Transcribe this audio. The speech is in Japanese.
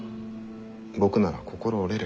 僕なら心折れる。